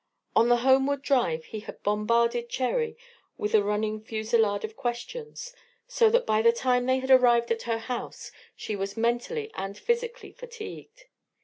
On the homeward drive he had bombarded Cherry with a running fusillade of questions, so that by the time they had arrived at her house she was mentally and physically fatigued.